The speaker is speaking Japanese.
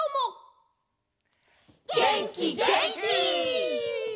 げんきげんき！